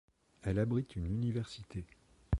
Elle abrite une université.